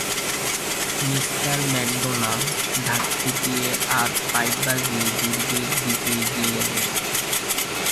Me. McDonald ঢাক পিটিয়ে আর পাইপ বাজিয়ে দুর্গের দিকে এগিয়ে গেলেন।